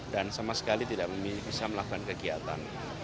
dan sama sekali tidak bisa melakukan kegiatan